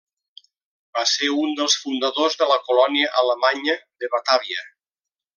Va ser un dels fundadors de la colònia alemanya de Batàvia.